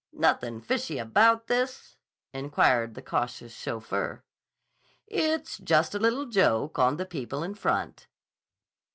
"Nuthin' fishy about this?" inquired the cautious chauffeur. "It's just a little joke on the people in front."